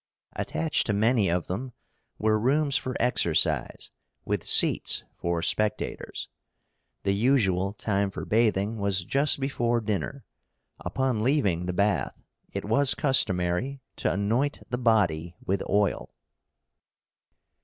Attached to many of them were rooms for exercise, with seats for spectators. The usual time for bathing was just before dinner. Upon leaving the bath, it was customary to anoint the body with oil.